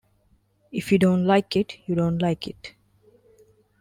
If you don't like it, you don't like it.